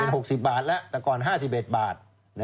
๖๐บาทแล้วแต่ก่อน๕๑บาท